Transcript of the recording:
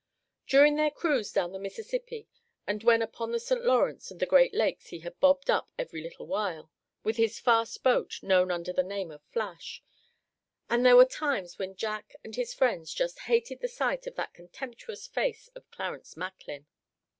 During their cruise down the Mississippi, and when upon the St. Lawrence and the Great Lakes he had bobbed up every little while, with his fast boat, known under the name of Flash, and there were times when Jack and his friends just hated the sight of that contemptuous face of Clarence Macklin.